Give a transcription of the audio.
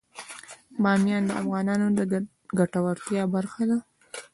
بامیان د افغانانو د ګټورتیا برخه ده.